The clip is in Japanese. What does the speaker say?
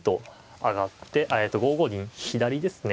えっと５五銀左ですね。